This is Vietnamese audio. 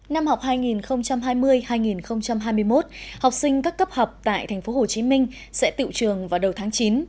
năm học hai nghìn hai mươi hai nghìn hai mươi một học sinh các cấp học tại tp hcm sẽ tự trường vào đầu tháng chín